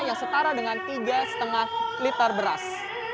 yang setara dengan tiga lima liter beras